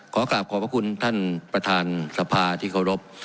ขอกลับขอบพระคุณท่านประธานสภาที่เคารพ